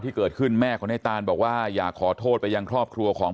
ที่เกิดขึ้นแม่ของในตานบอกว่าอยากขอโทษไปยังครอบครัวของ